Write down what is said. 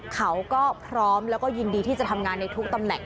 เขาก็พร้อมแล้วก็ยินดีที่จะทำงานในทุกตำแหน่ง